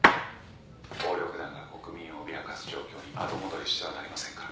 「暴力団が国民を脅かす状況に後戻りしてはなりませんから」